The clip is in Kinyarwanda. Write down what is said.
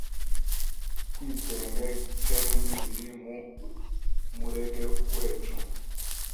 kwitenge kendi biri mu murege wecu